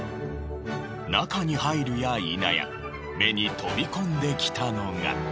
中に入るや否や目に飛び込んできたのが。